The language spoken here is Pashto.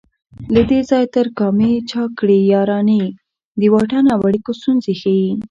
له دې ځای تر کامې چا کړي یارانې د واټن او اړیکو ستونزې ښيي